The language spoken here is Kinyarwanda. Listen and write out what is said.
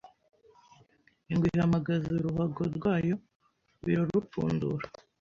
Ingwe ihamagaza uruhago rwayo, birarupfundura